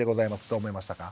どう思いましたか？